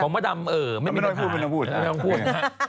ของมาดำไม่มีปัญหาไม่ต้องพูด